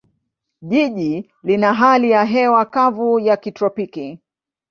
Jiji lina hali ya hewa kavu ya kitropiki.